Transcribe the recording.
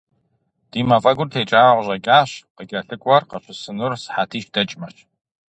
Ди мафӀэгур текӏауэ къыщӀэкӀащ, къыкӀэлъыкӀуэр къыщысынур сыхьэтищ дэкӀмэщ.